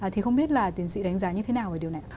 thì không biết là tiến sĩ đánh giá như thế nào về điều này ạ